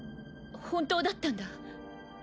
本当だったんだ